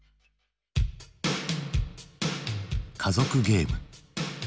「家族ゲーム」。